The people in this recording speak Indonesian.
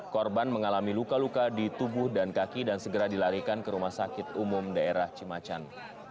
korban mengalami luka luka di tubuh dan kaki dan segera dilarikan ke rumah sakit umum daerah cimacan